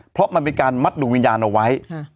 เพราะมันเป็นการมัดดวงวิญญาณเอาไว้